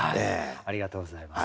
ありがとうございます。